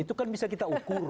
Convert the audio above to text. itu kan bisa kita ukur